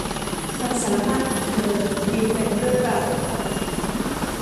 คำสารภาพของเธอยืนยันเรื่องราวทั้งหมด